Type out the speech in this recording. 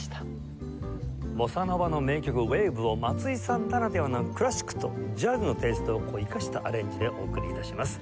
ボサノヴァの名曲『Ｗａｖｅ』を松井さんならではのクラシックとジャズのテイストを生かしたアレンジでお送り致します。